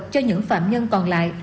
cho những phạm nhân còn lại